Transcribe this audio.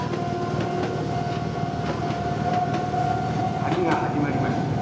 狩りが始まりました。